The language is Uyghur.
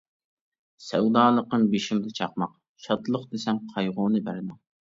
سەۋدالىقىم بېشىمدا چاقماق، شادلىق دېسەم قايغۇنى بەردىڭ.